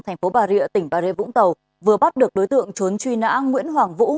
tp bà rịa tỉnh bà rịa vũng tàu vừa bắt được đối tượng trốn truy nã nguyễn hoàng vũ